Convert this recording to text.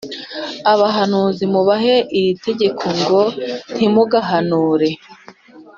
abahanuzi mubaha iri tegeko ngo «Ntimugahanure».